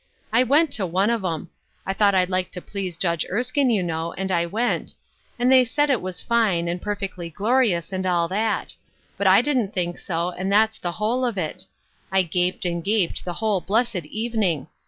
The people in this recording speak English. I went to one of 'em. I thought I'd like to please Judge Erskine, you know, and I went ; and they said it was fine, and perfectly glorious, and all that; but I didn't think so, and that's the whole of it. I gaped and gaped the whole blessed evening.